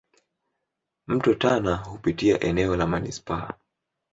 Mto Tana hupitia eneo la manispaa.